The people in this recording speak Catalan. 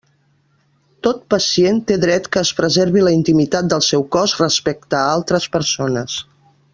Tot pacient té dret que es preserve la intimitat del seu cos respecte a altres persones.